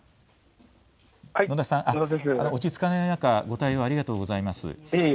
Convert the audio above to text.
野田さん、落ち着かない中、ご対応ありがとうございます。